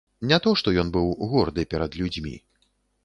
Не то што ён быў горды перад людзьмі.